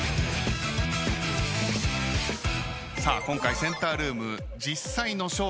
今回センタールーム。